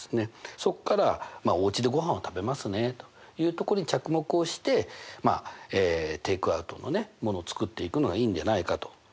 そこからおうちでごはんを食べますねというとこに着目をしてテイクアウトのものを作っていくのがいいんじゃないかと。